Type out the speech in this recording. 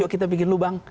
yuk kita bikin lubang